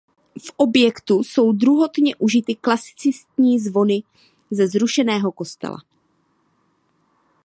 V objektu jsou druhotně užity klasicistní zvony ze zrušeného kostela.